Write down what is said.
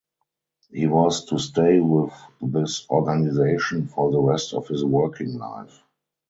He was to stay with this organisation for the rest of his working life.